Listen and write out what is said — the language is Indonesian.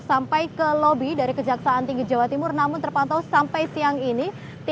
sampai ke lobi dari kejaksaan tinggi jawa timur namun terpantau sampai siang ini